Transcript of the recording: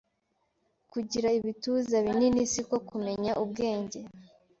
kugira ibituza binini siko kumenya ubwenge